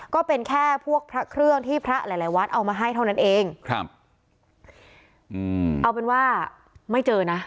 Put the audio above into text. ก็เป็นแค่พวกพระเครื่องที่พระหลายหลายวัดเอามาให้เท่านั้นเองครับอืมเอาเป็นว่าไม่เจอนะ